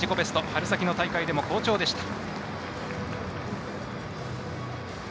春先の大会でも好調でした。